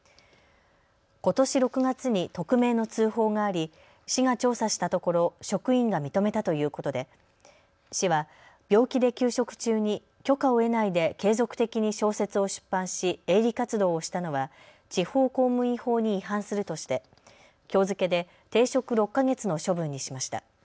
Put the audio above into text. ことし６月に匿名の通報があり市が調査したところ職員が認めたということで市は病気で休職中に許可を得ないで継続的に小説を出版し営利活動をしたのは地方公務員法に違反するとしてきょう付けで停職６か月の処分にしました。